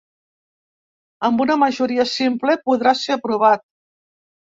Amb una majoria simple podrà ser aprovat.